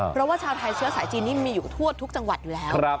เพราะว่าชาวไทยเชื้อสายจีนนี่มีอยู่ทั่วทุกจังหวัดอยู่แล้ว